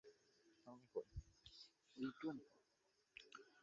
পানির, তুমি কি পিলগ্রি যাওয়ার পরিকল্পনা করেছ?